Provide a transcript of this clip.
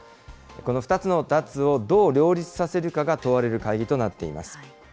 この２つの脱をどう両立させるかが問われる会議となっています。